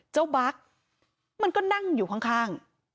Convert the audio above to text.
บั๊กมันก็นั่งอยู่ข้าง